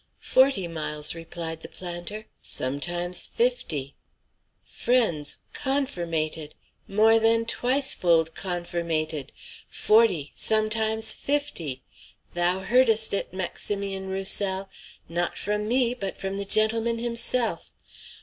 "Forty miles," replied the planter; "sometimes fifty." "Friends, confirmated! more than twicefold confirmated. Forty, sometimes fifty! Thou heardest it, Maximian Roussel! Not from me, but from the gentleman himself!